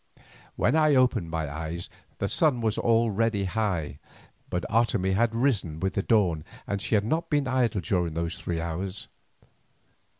When I opened my eyes the sun was already high, but Otomie had risen with the dawn and she had not been idle during those three hours.